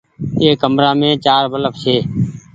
اي ڪمرآ مين چآر بلڦ ڇي۔